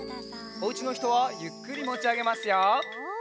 おうちのひとはゆっくりもちあげますよ。